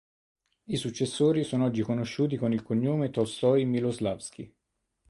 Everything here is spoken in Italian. I successori sono oggi conosciuti con il cognome Tolstoi-Miloslavski